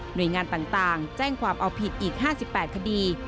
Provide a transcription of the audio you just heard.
โดยงานต่างแจ้งความเอาผิดอีก๕๘คดี